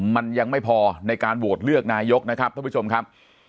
มันยังไม่พอในการโหวตเลือกนายกนะครับท่านผู้ชมครับ